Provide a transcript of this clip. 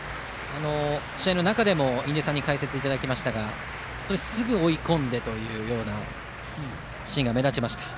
試合の中でも印出さんに解説いただきましたがすぐ追い込むシーンが目立ちました。